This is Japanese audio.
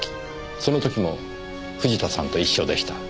その時も藤田さんと一緒でした。